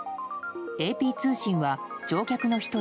ＡＰ通信は乗客の１人